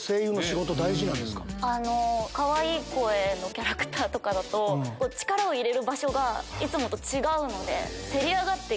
かわいい声のキャラクターだと力を入れる場所がいつもと違うので。